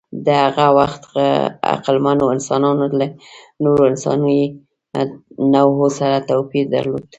د هغه وخت عقلمنو انسانانو له نورو انساني نوعو سره توپیر درلود.